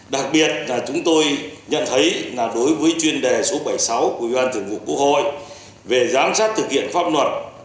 đặc biệt là chúng tôi nhận thấy là đối với chuyên đề số bảy mươi sáu của ủy ban thường vụ quốc hội về giám sát thực hiện pháp luật